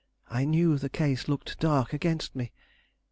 I knew the case looked dark against me.